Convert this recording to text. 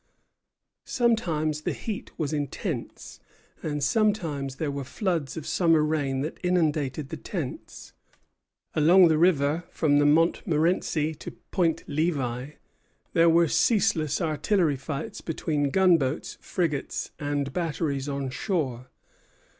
Sometimes the heat was intense, and sometimes there were floods of summer rain that inundated the tents. Along the river, from the Montmorenci to Point Levi, there were ceaseless artillery fights between gunboats, frigates, and batteries on shore.